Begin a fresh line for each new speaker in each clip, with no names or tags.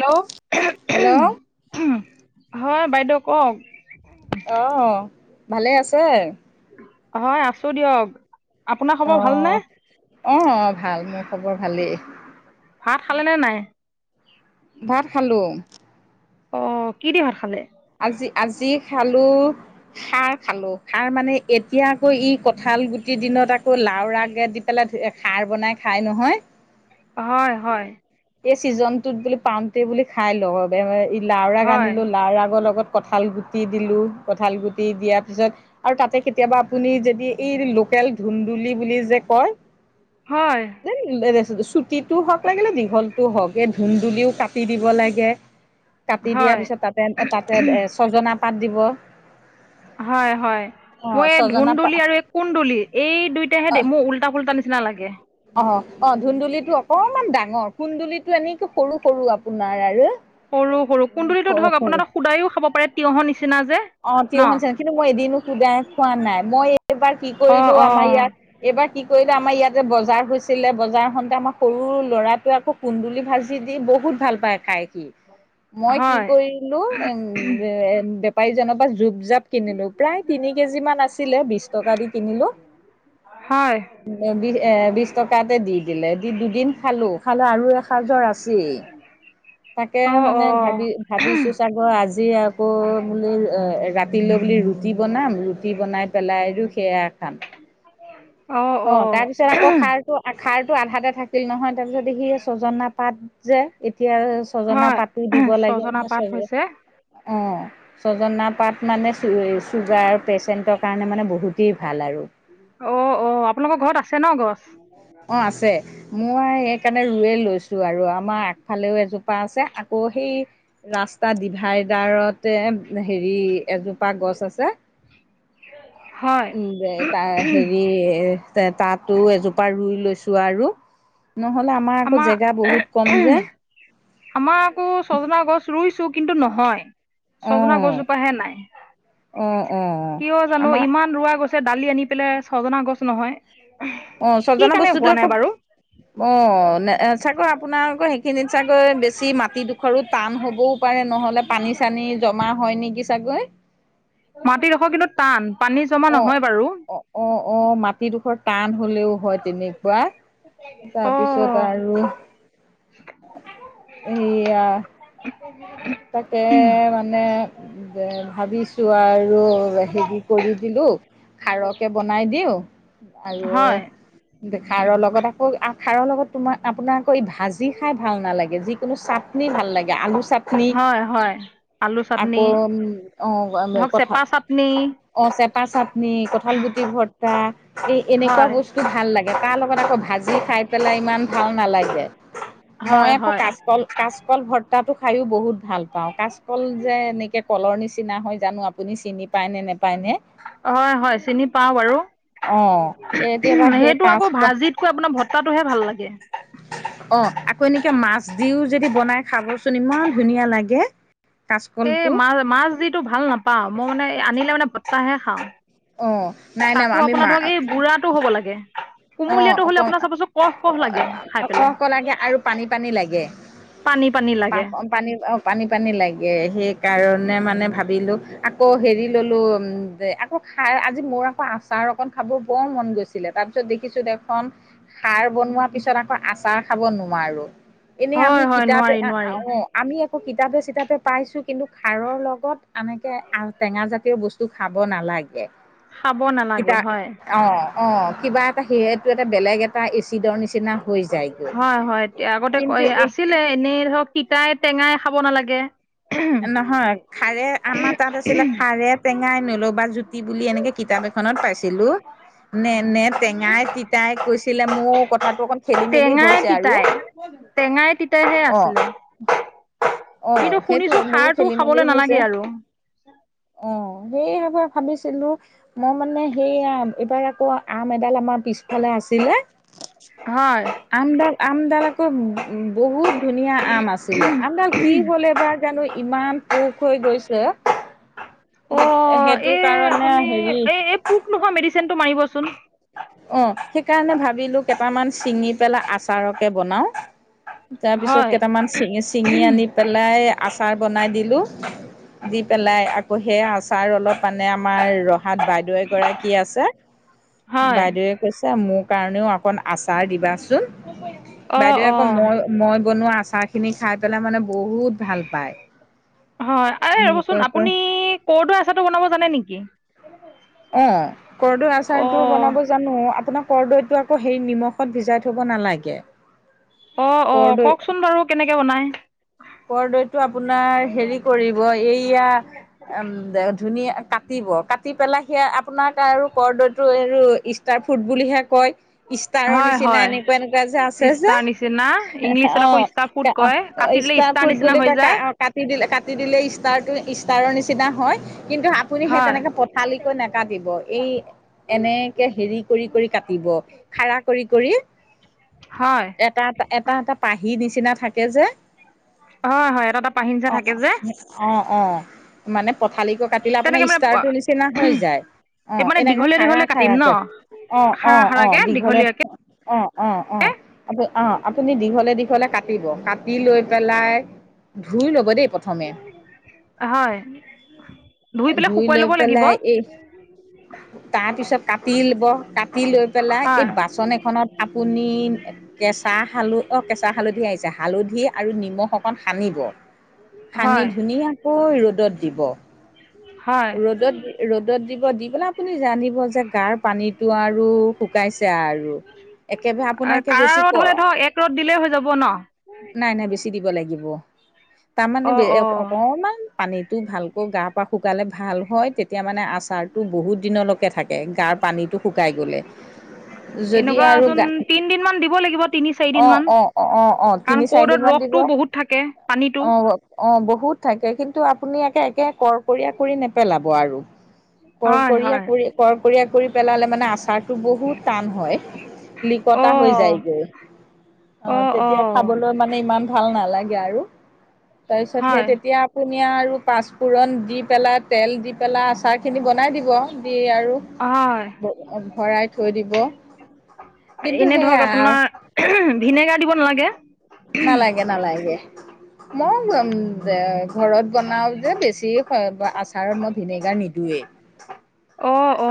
Hello হয় বাইদেউ কওক?
অঁ ভালেই আছে।
হয় আছো দিয়ক। আপোনাৰ খবৰ
অ
ভালনে
অ ভাল মোৰ খবৰ ভালেই।
ভাত, খালেনে নাই?
ভাত, খালোঁ।
অ কি দি ভাত, খালে।
আজি আজি খালো খাৰ, খালো খাৰ মানে। এতিয়া আকৌ ই কঁঠাল, গুটি প্ৰতিদিনত আকৌ লাওৰ আগে দি পেলাই খাৰ বনাই খাই নহয়।
হয় হয়।
এই চিজনটোত বো পাওঁতে বুলি খাই ল লাও ৰাগ
হয়
আনিলো লাওৰ আগৰ লগত- কঁঠাল, গুটি দিলোঁ কঁঠাল, গুটি দিয়াৰ পিছত আৰু তাতে কেতিয়াবা আপুনি যদি এই লোকেল ধুন্দুলি, বুলি যে কয়।
হয়।
চুটীটো হক লাগিলে দীঘল। টো হওঁক এ ধুন্দুলিও, কাটি দিব লাগে। কাটি দিয়াৰ
হয়
পিছত তাতে তাতে ছজনা, পাত দিব।
হয় হয়।
অ
মই
ছজনা পাত
ধুন্দুলি, আৰু এই কুন্দুলি, এই দুইটাহে মোৰ উল্টা পুল্টা নিচিনা লাগে।
অ অ ধুন্দুলিটো, অকমান ডাঙৰ কুন্দুলিটো, এনেকে সৰু সৰু আপোনাৰ আৰু।
সৰু সৰু কুন্দুলিটো ধৰক আপোনাৰো সুদায়ো খাব পাৰে তিয়হৰ, নিচিনা যে্
অ তিয়হ, নিচিনা কিন্তু মই এদিনো সুদাই খোৱা নাই মই এইবাৰ কি
অ
কৰিলো
অ
আমাৰ ইয়াত। এইবাৰ কি কৰিলে আমাৰ ইয়াতে বজাৰ হৈছিলে বজাৰ হওতে আমাৰ সৰু ল'ৰা ত আকৌ কুন্দুলি ভাজি দি বহুত ভাল পায় খাই সি মই কি
হয়
কৰিলো এম বেপাৰীজনৰ পৰা জুপ জাপ কিনিলো প্ৰায় তিনি কেজি মান আছিলে বিশ টকা দি কিনিলোঁ।
হয়
বি এ বিশ টকাতে দি দিলে দি দুদিন খালো খালো আৰু এসাঁজৰ আছেই। তাকে
অ অ
মানে ভাবি ভাবিছো চাগৈ আজি আৰু আকৌ বুলি ৰাতিলৈ বুলি ৰুটি বনাম ৰুটি বনাই পেলাই আৰু সেয়া খাম।
অ অ
তাৰপিছত আকৌ খাৰটো খাৰটো আধাতে থাকিল নহয় তাৰপিছত দেখি ছজনা পাত যে এতিয়া ছজনা
হয়
পাতো দিব লাগে
ছজনা
অ
পাত হৈছে
ছজনা পাত মানে চ চুগাৰ পেচেন্টৰ কাৰণে মানে বহুতেই ভাল আৰু
অ অ আপোনালোকৰ ঘৰত আছে ন গছ
অ আছে মই সেইকাৰণে ৰুৱে লৈছো আৰু আমাৰ আগফালেও এজোপা আছে আকৌ সেই ৰাস্তাৰ ডিভাইডাৰতে হেৰি এজোপা গছ আছে
হয়
উম যে তাৰ হেৰি তাতো এজোপা ৰুই লৈছো আৰু নহ'লে আমাৰ আকৌ জেগা বহুত কম যে-
আমাৰ আকৌ ছজনা গছ ৰুইছো কিন্তু নহয় ছজনা
অ',
গছজোপাহে নাই।
অ', অ',
কিয় জানো
আমাৰ
ইমান ৰোৱা গছে ডালি আনি পেলাই ছজনা গছ নহয়।
অ
কি
ছজনা
কাৰণে
বস্তুতো
হোৱা নাই
আকৌ
বাৰু
অ চাগৈ আপোনালোকৰ সেইখিনিত চাগৈ বেছি মাটি দু সৰু টান হবও পাৰে নহলে পানী চানী জমা হয় নেকি চাগৈ
মাটিডোখৰ কিন্তু টান পানী জমা
অ'
নহয় বাৰু
অ' অ অ মাটিডোখৰ টান হলেও হয় তেনেকুৱা
অ',
তাৰপিছত আৰু সেইয়া
[inaudible]
তাকে মানে যে ভাবিছো আৰু হেৰি কৰি দিলো। খাৰকে বনাই দিওঁ আৰু
হয়
খাৰৰ লগত- খাৰৰ লগত- তোমাক আপোনাক আকৌ এই ভাজি খাই ভাল নালাগে যিকোনো চাটনি ভাল লাগে আলু চাটনি- পনিক
হয় হয় আলু চাটনি
আকৌ
ধৰক চেপা
কঁঠাল
চাটনি
অ চেপা চাটনি কঁঠাল গুটি ভৰ্তা এই এনেকুৱা
হয়
বস্তু- ভাল লাগে তাৰ লগত আকৌ ভাজি খাই পেলাই ইমান ভাল নালাগে মই
হয়
আকৌ
হয়
ক- কল কাচকল ভৰ্তাটো খায়ো বহুত ভাল পাওঁ কাচকল যে এনেকৈ কলৰ নিচিনা হয় জানো আপুনি চিনি পায় নে নেপায়। পায়নে-
হয় হয় চিনি পাও বাৰু-
অ' কেতিয়াবা সেই
সেইটো আকৌ
কাচকল
ভাজিতকৈ আপোনাৰ ভত্তাটোহে ভাল লাগে
অ আকৌ এনেকে মাছ দিও যদি বনাই খাবচোন ইমান ধুনীয়া লাগে।
এই
কাচকলটো
মাছ মাছ যিটো ভাল নাপাওঁ মই মানে আনিলে মানে ভত্তাহে খাওঁ-
অ নাই নাই
তাকো
আমি
আপোনাৰ ধৰক
মা-
এই বুঢ়াটো হ'ব লাগে
অ',
কুমলীয়াটো হ'লে
অক
আপোনাৰ চাবচোন কহ কহ লাগে খাই
অক
পেলাই
অক লাগে, আৰু পানী পানী লাগে।
পানী, পানী, লাগে।
পানী, পানী, পানী লাগে সেইকাৰণে মানে ভাবিলোঁ আকৌ হেৰি ল'লোঁ উম যে আকৌ খাই আজি মোৰ আকৌ আচাৰ অকন খাব বৰ মন গৈছিলে, তাৰপিছত দেখিছো দেখন সাৰ বনোৱা পিছত আকৌ আচাৰ খাব নোৱাৰোঁ। এনেই আমি
হয় হয়
কিতাপ
নোৱাৰি নোৱাৰি
[unintelligible] আমি একো কিতাপে চিতাপে পাইছো কিন্তু খাৰৰ লগত আনেকে আ-টেঙা জাতীয় বস্তু খাব নালাগে।
খাব নালাগে
কিতা
হয়
অ', অ', কিবা এটা সি এইটো এটা বেলেগ এ টা এচিডৰ নি
হয়, হয়। এতিয়া আগতে ক এ আছিলে এনেই ধৰক তিতাই, টেঙাই খাব নালাগে।
নহয় খাৰে, আমাৰ তাত আছিলে খাৰে টেঙাই ন'লবা জুতি বুলি এনেকে কিতাপ এখনত পাইছিলোঁ। নে নে টেঙাই তিতাই কৈছিলে মোৰ কথাটো অকণ খেলি মেলি
টেঙাই
হৈছে আৰু।
তিতাই টেঙাই তিতাইহে
অ
আছিলে।
অ',
কিন্তু শুনিছো
সেইটোয়ে মোৰো
সাৰটো
খেলি
খাবলৈ
মেলিও হৈছে।
নালাগে আৰু
অ', সেইবাবে ভাবিছিলোঁ মই মানে সেইয়া, এইবাৰ আকৌ আম এডাল আমাৰ পিছফালে আছিলে।
হয়।
আমডাল আমডাল আকৌ বহুত ধুনীয়া আম আছিলে, আমডাল কি হ'ল এইবাৰ জানো ইমান পোক হৈ গৈছে,
অ
সেই সেইটো
এই
কাৰণে
আপুনি
হেৰি
এই এই পোক নোহোৱা মেডিচেনটো মাৰিবচোন।
অ', সেইকাৰণে ভাবিলো কেইটামান ছিঙি পেলাই আচাৰকে বনাও। তাৰপিছত
হয়
কেইটামান চিঙ, চিঙি আনি পেলাই আচাৰ বনাই দিলোঁ। দি পেলাই আকৌ সেই আচাৰ অলপ মানে আমাৰ ৰহাত বাইদেউ এগৰাকী আছে।
হয়
বাইদেউৱে কৈছে মোৰ কাৰণেও অকণ আচাৰ দিবাচোন।
অ
বাইদেউৱে
অ
আকৌ মই মই বনোৱা আচাৰখিনি খাই পেলাই মানে বহুত ভাল পায়। [unintelligible]
হয় আৰে ৰ'বচোন আপুনি কৰদৈ আচাৰটো বনাব জানে নেকি?
অ', কৰদৈৰ
অ
আচাৰটো বনাব য জানো, আপোনাৰ কৰদৈটো আকৌ হেই নিমখত ভিজাই থব নালাগে।
অ', অ',
কৰদৈ
কওকচোন বাৰু কেনেকে বনাই?
কৰদৈটো আপোনাৰ হেৰি কৰিব এইয়া [unintelligible] ধুনীয়া কাটিব, কাটি পেলাই সেইয়া আপোনাক আৰু কৰদৈতো আৰু ষ্টাৰ ফুড বুলিহে কয়। ইষ্টাৰৰ
হয়
নিচিনা এনে
হয়
এনেকুৱা এনেকুৱা যে আছে যে।
ষ্টাৰ নিচিনা ইংলিছত আকৌ ষ্টাৰ ফুড কয়
অ', [unintelligible]
কাটি দিলে ষ্টাৰ
ইস্টাৰফুড
নিচিনা
বুলি
হৈ
কয় কা
যায়
অ', কাটি দিলে কাটি দিলে ইষ্টাৰটো ইষ্টাৰৰ নিচিনা হয়, কিন্তু আপুনি সেই
হয়
তেনেকে পঠালিকৈ নেকাটিব, এই এনেকে হেৰি কৰি, কৰি কাটিব। খাৰা কৰি, কৰি।
হয়
এটা, এটা, এটা, এটা পাহি নিচিনা থাকে যে।
অ', হয় এটা, এটা পাহিন যে
অ',
থাকে যে
অ', অ', অ', মানে পঠালিকৈ কাট দিলে আপোনাৰ
তেনেকে মানে
ইষ্টাৰটোৰ নিচিনা হৈ যায়।
এই
অঁ
মানে
এনেকে
দীঘলীয়া
খাৰা
দীঘলীয়া কাটিম ন
খাৰাকে অঁ
খাৰা
অঁ অঁ
খাৰাকে
দীঘলে-
দীঘলীয়াকে
অঁ অঁ অঁ আ অঁ আপুনি দীঘলে দীঘলে কাটিব কাটি লৈ পেলাই- ধুই ল'ব দেই প্ৰথমে
হয় পেলাই
ধুই
শুকুৱাই
লয়
ল'ব লাগিব
পেলেলাই এই তাৰ পিছত কাটি লব কাটি লৈ পেলাই এই
হয়
বাচন এখনত আপুনি কেঁচা হাল অঁ কেঁচা হালধি আহিছে হালধি আৰু নিমখ অক- অকন সানিব সানি
হয়
ধুনীয়াকৈ ৰ'দত দিব-
হয়
ৰ'দত দি- ৰ'দত দিব দি পেলাই আপুনি জানিব যে গাৰ পানীতটো আৰু শুকাইছে আৰু- একেভা আপোন একে
কাৰা
বেছি
ৰ'দ হ'লে
কৰা
ধৰক এক ৰ'দ দিলেই হৈ যাব ন
নাই নাই বেছি দিব লাগিব তাৰমানে
অ অ
অকমান পানীত। তো ভালকৈ গা পা শুকালে ভাল হয় তেতিয়া মানে আচাৰতটো বহুত দিনৰ লগত শুকে থাকে গাৰ পানীটো শুকাই গ'লে। যদি আৰু
এনেকুৱাচোন
গা
তিন দিন মান দিব লাগিব তিনি চাৰি
অ
দিন মান
অ অ অ অ
কাৰণ
তিনি চাৰিদিন
ক'ৰদৈত ৰসতটো বহুত- থাকে পানীতটো
অঁ বহুত থাকে কিন্তু আপুনি একে একে কৰকীয়া কৰি নেপেলাব আৰু।
হয়
কৰকীয়া
হয়
কৰি কৰকীয়া কৰি পেলালে মানে আচাৰ- তটো বহুত টান হয়
অ
লিকতা হৈ যায়গে।
অ
অঁ
অ
তেতিয়া খাবলৈ মানে ইমান- ভাল নালাগে আৰু তাৰপিছত
হয়
হে আপুনি আৰু পাছপুৰন দি পেলাই তেল দি পেলাই আচাৰ খি খিনি বনাই দিব দি আৰু
হয়
ভৰাই থৈ দিব। কিন্তু সেয়া-
আহো ভিনেগাৰ দিব নালাগে।
নালাগে নালাগে। মই ঘৰত বনাওঁ যে বেছি আচাৰত মই ভিনেগাৰ নিদিওঁৱেই।
অঁ অঁ!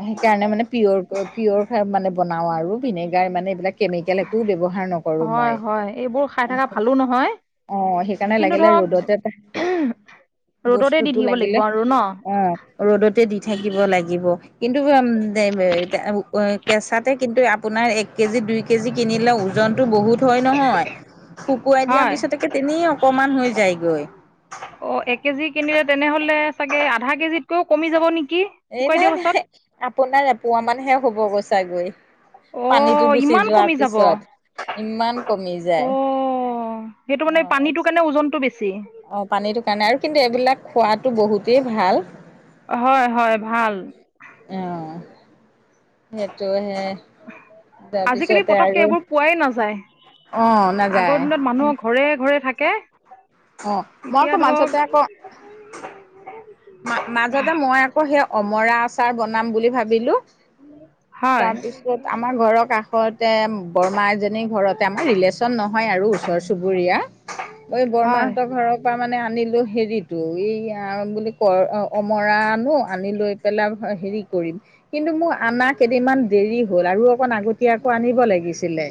সেইকাৰণে মানে পিয়ৰ পিয়ৰ মানে বনাও আৰু ভিনেগাৰ মানে এইবিলাক কেমিকেল একো ব্যৱহাৰ নকৰে
হয়ঁ হয়ঁ এইবোৰ খাই থকা ভালো নহয়।
অঁ সেইকাৰণে
কিন্তু
লাগিলে
ধৰক
ৰ'দতে পাই-
ৰ'দতে দি
বস্তুতো
থাকিব লাগিব
লাগিলে
আৰু ন
অ ৰ'দতে দি থাকিল। দিব লাগিব কিন্তু তে কেঁচাতে কিন্তু আপোনাৰ এক কেজি দুই কেজি কিনিলেও ওজন- ওজনটো বহুত হয়ঁ নহয় শুকুৱাই দিয়া
হয়
পিছতকে তেনেই অকমান হৈ যায়গৈ।
অঁ এক কেজি কিনিলে তেনেহলে চাগে আধা কেজিতকৈও কমি যাব নেকি?
এই
শুকুৱাই
নাই
দিয়া
ন
পাছত
আপোনাৰ এ পুৱা মানহে হ'ব গৈছাগৈ। পানীতটো
অ'
গুচি
ইমান
যোৱাৰ
কমি যাব
পিছত ইমান- কমি
অ'
যায়
সেইটো মানে
অঁ।
পানীটোৰ কাৰণে ওজনটো বেছি
অঁ পানীটো কাৰণে আৰু কিন্তু এইবিলাক খোৱাতো বহুতেই ভাল।
হয়ঁ হয়ঁ ভাল।
অঁ সেইটো হে।
আজিকালি পতককে এইবোৰ পোৱাই নাযায়।
অ নাযায়
আগৰ দিনত মানুহৰ ঘৰে ঘৰে থাকে।
অঁ মই
এতিয়া
আকৌ
ধৰক
মাছতে আকৌ। মা মাজতে মই আকৌ সেই অমৰা আচাৰ বনাম বুলি ভাবিলোঁ।
হয়
তাৰ পিছত আমাৰ ঘৰৰ কাষতে বৰমা এজনী ঘৰতে আমাৰ ৰিলে চন নহয় আৰু ওচৰ চুবুৰীয়া, ঐ
হয়
বৰমাহতঁৰ ঘৰত তাৰ মানে আনিলো হেৰিটো এইয়া বুলি কয় অ অমৰা আনো আনি লৈ পেলাভ হা হেৰি কৰিম। কিন্তু মোৰ আনা কেইদিনমান দেৰি হ'ল আৰু অকণ আগতীয়াকৈ আনিব লাগিছিলে।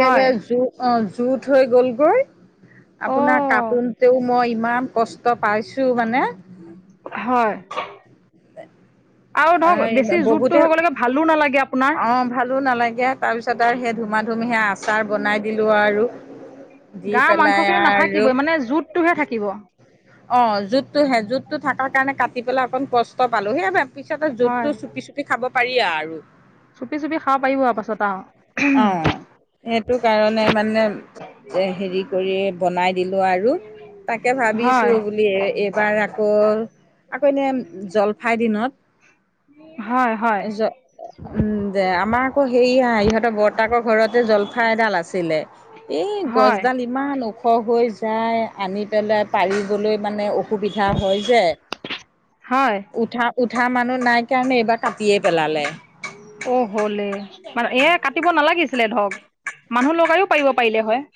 হয়
জোত অঁ জোত হৈ গলগৈ। আপোনাৰ
অ'
কাপোনতেও মই ইমান কষ্ট পাইছোঁ মানে।
হয়। আৰু
এ
ধৰক বেছি জোতটো হ'ব লাগে ভালো নালাগে আপোনাৰ।
অঁ ভালো নালাগে। তাৰপিছত আৰু সেই ধুমা ধুম হে আচাৰ বনাই দিলোঁ আৰু। দি
গা
পেলাই
মাংসখিনি
আৰু
নাথাকিবই মানে জুতটোহে থাকিব।
অঁ জোতটো হে জোতটো থাকা কাৰণে কাটি পেলাই অকন কষ্ট পালো। সেইবাবে পিছতে জোতটো
হয়
চুপি চুপি খাব পাৰি আৰু।
চুপি চুপি খাব পাৰিব আৰু পাছত
অ
আও।
সেইটো কাৰণে মানে এ হেৰি কৰি বনাই দিলো আৰু তাকে ভাবি
হয়
ছো বুলিয়ে এইবাৰ আকৌ আকৌ এনে জলফাইৰ দিনত
হয় হয়।
জ উম দে আমাৰ আকৌ সেয়া ইহঁতৰ বৰতাকৰ ঘৰত তে জলফাই এডাল আছিলে, এই
হয়
গছডাল ইমান ওখ হৈ যায় আনি পেলাই পাৰিবলৈ মানে অ সুবিধা হয় যে
হয়
উঠা উঠা মানুহ নাই কাৰণে এইবাৰ কাটিয়ে পেলালে।
অ হ'লে, মানে এ কাটিব নালাগিছিলে ধৰক। মানুহ লগাইও পাৰিব পাৰিলে হয়।